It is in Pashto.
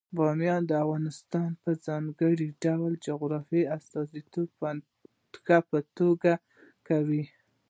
بامیان د افغانستان د ځانګړي ډول جغرافیې استازیتوب په ښه توګه کوي.